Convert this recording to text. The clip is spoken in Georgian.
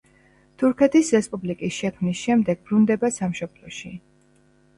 თურქეთის რესპუბლიკის შექმნის შემდეგ ბრუნდება სამშობლოში.